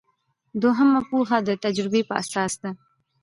دوهمه پوهه د تجربې په اساس ده.